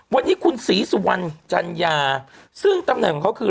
วันนี้คุณศรีสุวรรณจัญญาซึ่งตำแหน่งของเขาคือ